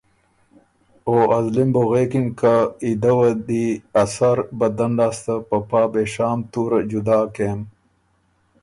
ا زلی م بُو خه غوېکِن که ای دۀ وه دی ا سر بدن لاسته په پا بېشام طُوره جدا کېم